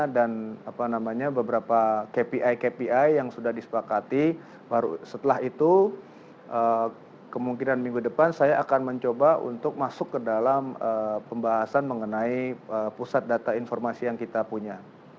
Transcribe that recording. dan beberapa kpi kpi yang sudah disepakati setelah itu kemungkinan minggu depan saya akan mencoba untuk masuk ke dalam pembahasan mengenai pusat data informasi yang kita punya